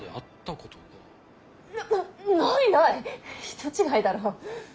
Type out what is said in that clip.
人違いだろ。